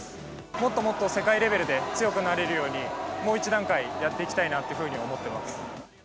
もっともっと世界レベルで強くなれるように、もう一段階やっていきたいなというふうに思っています。